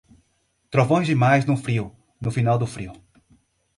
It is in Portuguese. Trovões demais no frio, no final do frio.